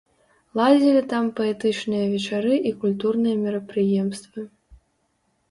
Ладзілі там паэтычныя вечары і культурныя мерапрыемствы.